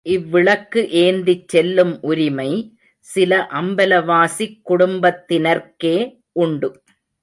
இவ்விளக்கு ஏந்திச் செல்லும் உரிமை சில அம்பல வாசிக் குடும்பத்தினர்க்கே உண்டு.